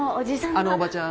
あのおばちゃん